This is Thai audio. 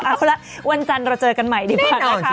เอาละวันจันทร์เราเจอกันใหม่ดีกว่านะคะ